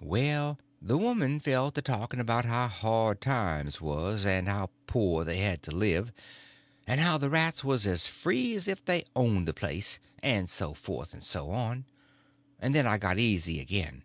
Well, the woman fell to talking about how hard times was, and how poor they had to live, and how the rats was as free as if they owned the place, and so forth and so on, and then I got easy again.